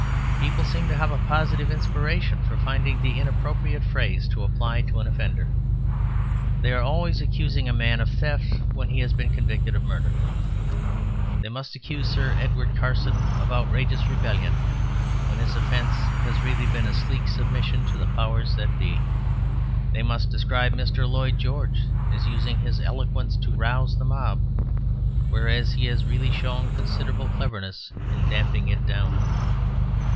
People seem to have a positive inspiration for finding the inappropriate phrase to apply to an offender; they are always accusing a man of theft when he has been convicted of murder. They must accuse Sir Edward Carson of outrageous rebellion, when his offence has really been a sleek submission to the powers that be. They must describe Mr. Lloyd George as using his eloquence to rouse the mob, whereas he has really shown considerable cleverness in damping it down.